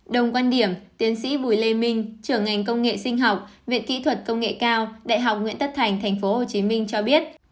đồng quan điểm tiến sĩ bùi lê minh trưởng ngành công nghệ sinh học viện kỹ thuật công nghệ cao đại học nguyễn tất thành tp hcm cho biết